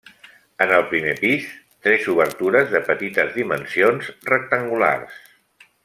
En el primer pis, tres obertures de petites dimensions rectangulars.